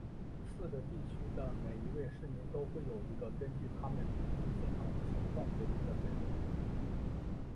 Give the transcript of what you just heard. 四个地区的每一位市民都会有一个根据他们平均健康状况给出的分数。